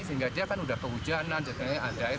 sehingga dia kan sudah kehujanan jadinya ada air